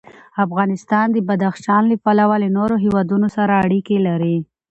افغانستان د بدخشان له پلوه له نورو هېوادونو سره اړیکې لري.